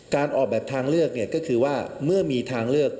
การออกแบบทางเลือกเนี่ยก็คือว่าเมื่อมีทางเลือก